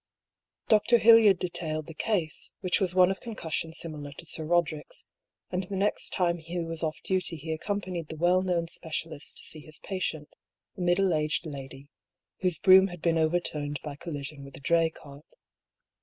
Dr. Hildyard detailed the case, which was one of concussion similar to Sir Roderick's ; and the next time Hugh was off duty he accompanied the well known specialist to see his patient, a middle aged lady, whose brougham had been overturned by collision with a dray cart.